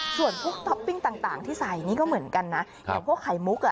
ส่วนพวกท็อปปิ้งต่างที่ใส่นี่ก็เหมือนกันนะอย่างพวกไข่มุกอ่ะ